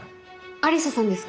愛理沙さんですか？